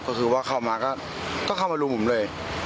ก็คือว่าเข้ามาก็เข้ามารุมผมเลย